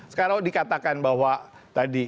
sekarang dikatakan bahwa tadi